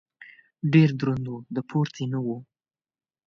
ډېر دروند و . د پورتې نه و.